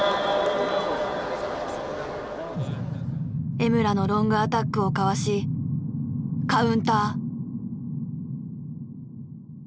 江村のロングアタックをかわしカウンター。